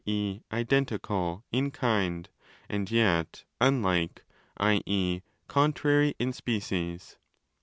e. identical) in kind and yet 'unlike' (i.e. contrary) in species.